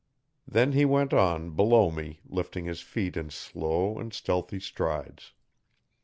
Then he went on, below me, lifting his feet in slow and stealthy strides.